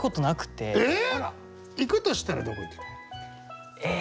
行くとしたらどこ行きたい？え。